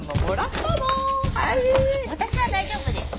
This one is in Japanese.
私は大丈夫です。